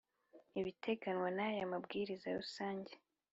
Ibiteganywa n aya mabwiriza rusange